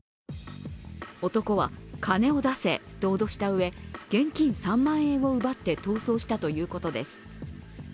男は金を出せと脅したうえ現金３万円を奪って逃走したということです。